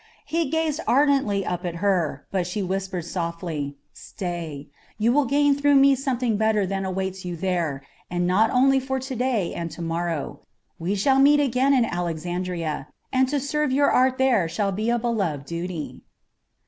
He gazed ardently up at her; but she whispered softly: "Stay! You will gain through me something better than awaits you there, and not only for to day and to morrow. We shall meet again in Alexandria, and to serve your art there shall be a beloved duty."